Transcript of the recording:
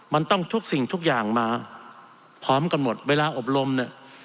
มันต้องทุกสิ่งทุกอย่างมาพร้อมกันหมดเวลาอบรมเนี่ย